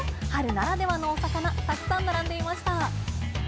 春ならではのお魚たくさん並んでいました。